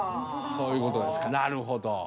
そういうことですかなるほど。